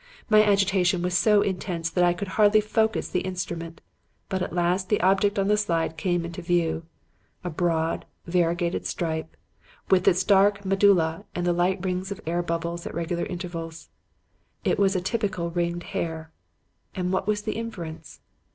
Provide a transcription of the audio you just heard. My agitation was so intense that I could hardly focus the instrument, but at last the object on the slide came into view: a broad, variegated stripe, with its dark medulla and the little rings of air bubbles at regular intervals. It was a typical ringed hair! And what was the inference?